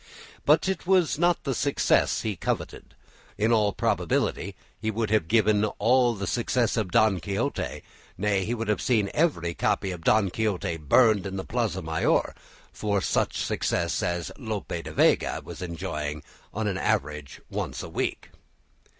But it was not the success he coveted. In all probability he would have given all the success of "Don Quixote," nay, would have seen every copy of "Don Quixote" burned in the Plaza Mayor, for one such success as Lope de Vega was enjoying on an average once a week.